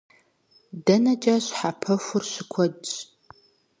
ДэнэкӀи щхьэпэхур щыкуэдщ.